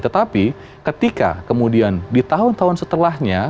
tetapi ketika kemudian di tahun tahun setelahnya